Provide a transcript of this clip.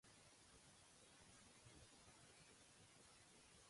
He also engaged in the milling business.